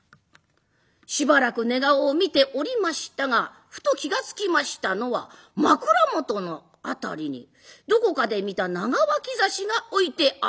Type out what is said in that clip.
しばらく寝顔を見ておりましたがふと気が付きましたのは枕元の辺りにどこかで見た長脇差しが置いてある。